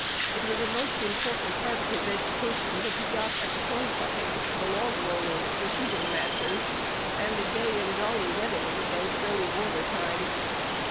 It was a most important part of his education that he got at the corn shuckings, the log rollings, the shooting matches, and the gay and jolly weddings of those early border times.